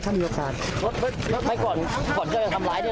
ถ้ามีโอกาสรถไปก่อนก่อนที่จะทำร้ายเนี่ย